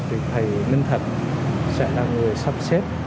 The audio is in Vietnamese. thì thầy minh thật sẽ là người sắp xếp